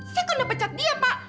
sekunda pecat dia pak